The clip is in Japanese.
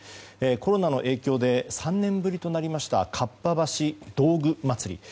コロナの影響で３年ぶりとなりましたかっぱ橋道具まつり。